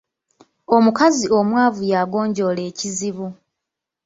Omukazi omwavu yagonjoola ekizibu.